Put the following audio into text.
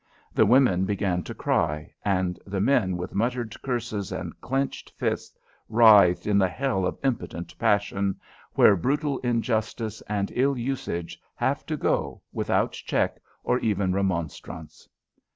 The women began to cry, and the men with muttered curses and clenched hands writhed in that hell of impotent passion, where brutal injustice and ill usage have to go without check or even remonstrance.